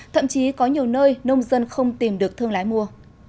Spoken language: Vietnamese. thậm chí có nhiều nơi nông dân không tìm được thương lái mua